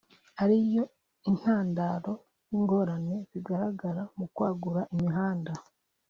ari yo intandaro y’ingorane zigaragara mu kwagura imihanda